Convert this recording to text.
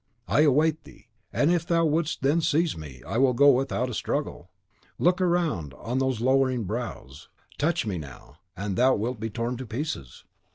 I will await thee; and if thou wouldst then seize me, I will go without a struggle. Look round on those lowering brows; touch me NOW, and thou wilt be torn to pieces."